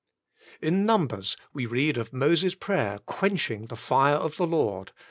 In Numbers we read of Moses' prayer quench ing the fire of the Lord, xi.